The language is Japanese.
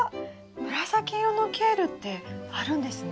紫色のケールってあるんですね。